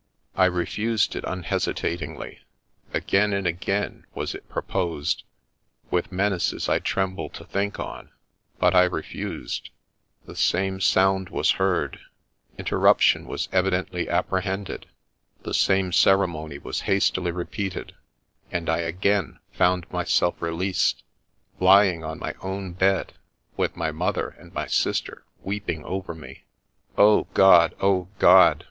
I refused it unhesitatingly ; again and again was it proposed, with menaces I tremble to think on — but I refused ; the same sound was heard — interruption was evidently apprehended, — the same ceremony was hastily repeated, and I again found myself released, lying on my own bed, with my mother and my sister weeping over me. O God ! O God